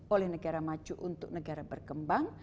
oleh negara maju untuk negara berkembang